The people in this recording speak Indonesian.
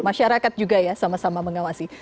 masyarakat juga ya sama sama mengawasi